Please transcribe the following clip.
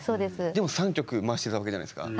でも３曲回してたわけじゃないですか。